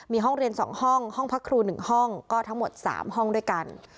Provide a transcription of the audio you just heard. มีห้องเรียน๒ห้องห้องพักครู๑ห้องก็ทั้งหมด๓ห้องด้วยกัน